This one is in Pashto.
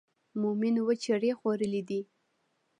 مومن اووه چړې خوړلې دي.